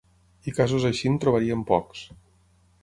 I casos així en trobarien pocs.